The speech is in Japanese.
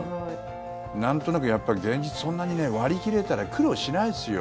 なんとなく、やっぱり現実、そんなに割り切れたら苦労しないですよ。